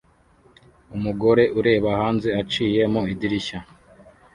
Umugore ureba hanze aciye mu idirishya